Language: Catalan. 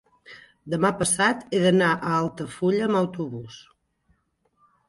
demà passat he d'anar a Altafulla amb autobús.